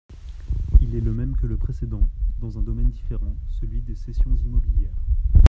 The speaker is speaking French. Il est le même que le précédent, dans un domaine différent, celui des cessions immobilières.